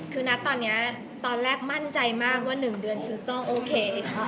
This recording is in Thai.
คือนะตอนนี้ตอนแรกมั่นใจมากว่า๑เดือนชิสต้องโอเค